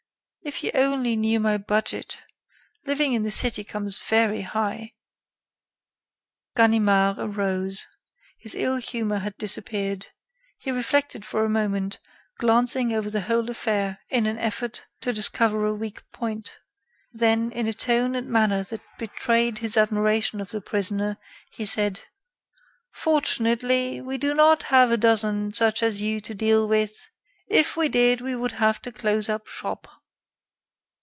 If you only knew my budget.... living in the city comes very high." Ganimard arose. His ill humor had disappeared. He reflected for a moment, glancing over the whole affair in an effort to discover a weak point; then, in a tone and manner that betrayed his admiration of the prisoner, he said: "Fortunately, we do not have a dozen such as you to deal with; if we did, we would have to close up shop."